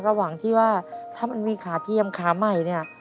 ระหว่างที่ว่าถ้ามันมีขาเทียมขาใหม่เนี่ย